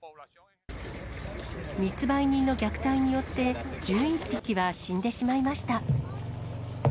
密売人の虐待によって、１１匹は死んでしまいました。